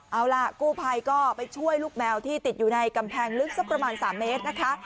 เอาล่ะกู้ภัยก็ไปช่วยลูกแมวที่ติดอยู่ในกำแพงลึกสักประมาณ๓เมตรนะคะ